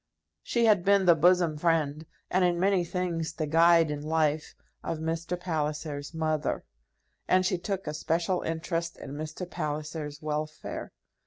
She had been the bosom friend, and in many things the guide in life, of Mr. Palliser's mother; and she took a special interest in Mr. Palliser's welfare.